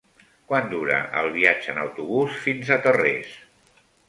Quant dura el viatge en autobús fins a Tarrés?